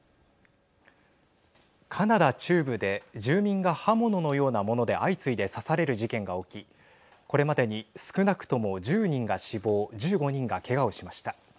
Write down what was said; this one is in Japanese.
カナダ中部で住民が刃物のようなもので相次いで刺される事件が起きこれまでに少なくとも１０人が死亡１５人がけがをしました。